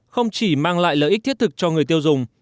không chỉ mang lại lợi ích thiết thực cho người tiêu dùng